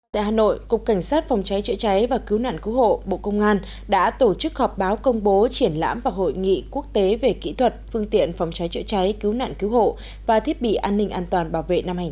tại hà nội cục cảnh sát phòng cháy chữa cháy và cứu nạn cứu hộ bộ công an đã tổ chức họp báo công bố triển lãm và hội nghị quốc tế về kỹ thuật phương tiện phòng cháy chữa cháy cứu nạn cứu hộ và thiết bị an ninh an toàn bảo vệ năm hai nghìn hai mươi bốn